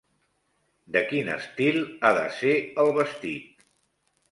De quin estil ha de ser el vestit?